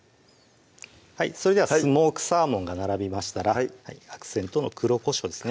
それではスモークサーモンが並びましたらアクセントの黒こしょうですね